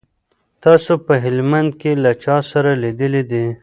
تاسو په هلمند کي له چا سره لیدلي دي؟